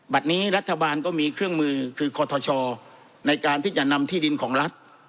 บัตรนี้รัฐบาลก็มีเครื่องมือคือคอทชในการที่จะนำที่ดินของรัฐ